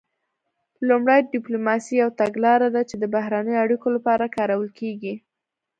لومړی ډیپلوماسي یوه تګلاره ده چې د بهرنیو اړیکو لپاره کارول کیږي